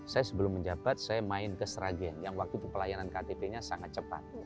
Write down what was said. saya sebelum menjabat saya main ke sragen yang waktu itu pelayanan ktp nya sangat cepat